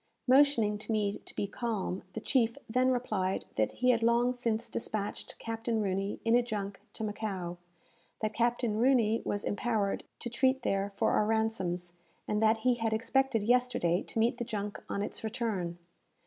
Motioning to me to be calm, the chief then replied that he had long since despatched Captain Rooney in a junk to Macao; that Captain Rooney was empowered to treat there for our ransoms; and that he had expected yesterday to meet the junk on its return.